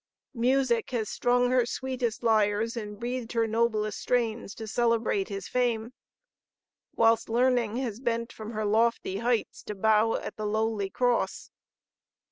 Music has strung her sweetest lyres and breathed her noblest strains to celebrate his fame; whilst Learning has bent from her lofty heights to bow at the lowly cross.